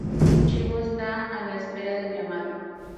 Su archivo está a la espera del llamado.